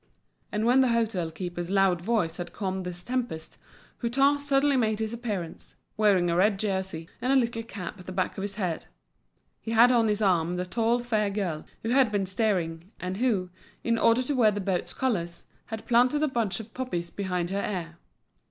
And when the hôtel keeper's loud voice had calmed this tempest, Hutin suddenly made his appearance, wearing a red jersey, and a little cap at the back of his head; he had on his arm the tall, fair girl, who had been steering, and who, in order to wear the boat's colours, had planted a bunch of poppies behind her ear.